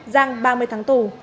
giang ba mươi tháng tù